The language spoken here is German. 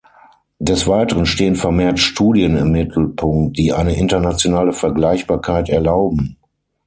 Des Weiteren stehen vermehrt Studien im Mittelpunkt, die eine internationale Vergleichbarkeit erlauben.